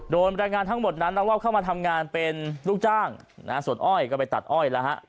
แรงงานทั้งหมดนั้นลักลอบเข้ามาทำงานเป็นลูกจ้างส่วนอ้อยก็ไปตัดอ้อยแล้วฮะ